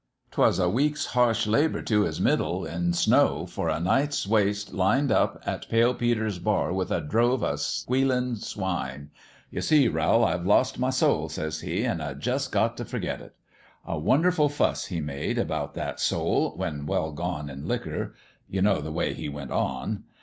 'Twas a week's harsh labour to his middle in snow for a night's waste lined up at Pale Peter's bar with a drove o' squealin' swine. ' You see, Rowl, I've lost my soul,' says he, ' an' I jus' got t' forget it.' A wonderful fuss he made about 194 A LITTLE ABOUT LIFE 195 that soul when well gone in liquor. You know the way he went on.